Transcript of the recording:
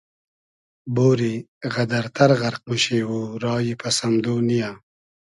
بۉری غئدئر تئر غئرق موشی و رایی پئس امدۉ نییۂ